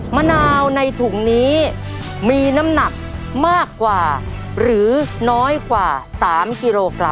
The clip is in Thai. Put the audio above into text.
มะนาวในถุงนี้มีน้ำหนักมากกว่าหรือน้อยกว่า๓กิโลกรัม